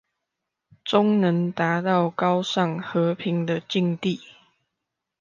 終能達到高尚和平的境地